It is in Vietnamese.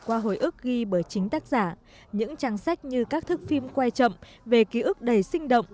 qua hồi ước ghi bởi chính tác giả những trang sách như các thức phim quay chậm về ký ức đầy sinh động